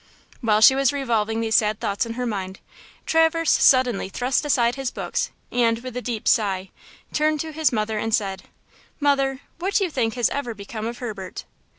While she was revolving these sad thoughts in her mind, Traverse suddenly thrust aside his books, and, with a deep sigh, turned to his mother and said: "Mother, what do you think has ever become of Herbert?"